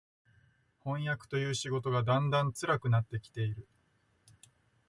飜訳という仕事がだんだん辛くなって来ている